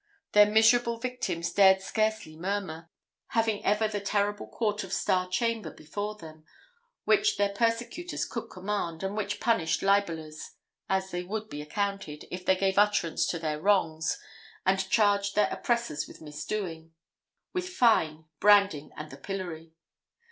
Their miserable victims dared scarcely murmur; having ever the terrible court of Star Chamber before them, which their persecutors could command, and which punished libellers as they would be accounted, if they gave utterance to their wrongs, and charged their oppressors with mis doing, with fine, branding, and the pillory.